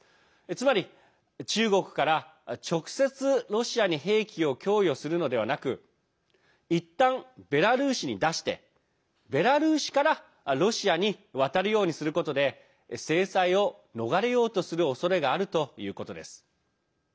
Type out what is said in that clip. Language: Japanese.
つまり、中国から直接ロシアに兵器を供与するのではなくいったんベラルーシに出してベラルーシからロシアに渡るようにすることで制裁を逃れようとするおそれがあるということです。